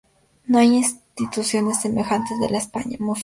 No hay instituciones semejantes en la España musulmana.